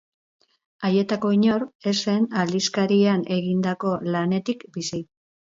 Haietako inor ez zen aldizkarian egindako lanetik bizi.